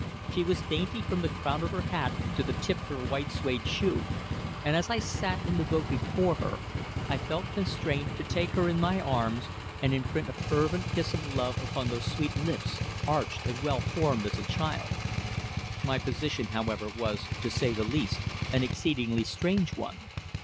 She was dainty from the crown of her hat to the tip of her white suede shoe, and as I sat in the boat before her, I felt constrained to take her in my arms and imprint a fervent kiss of love upon those sweet lips, arched and well formed as a child's. My position, however, was, to say the least, an exceedingly strange one.